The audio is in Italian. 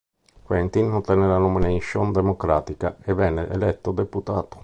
Quentin ottenne la nomination democratica e venne eletto deputato.